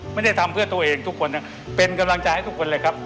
ไม่ได้ทำเพื่อตัวเองทุกคนนะเป็นกำลังใจให้ทุกคนเลยครับ